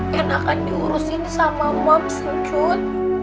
kenakan diurusin sama moms kut